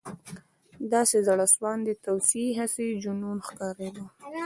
• داسې زړهسواندې توصیې، هسې جنون ښکارېده.